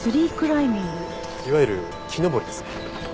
いわゆる木登りですね。